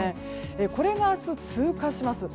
これが明日通過します。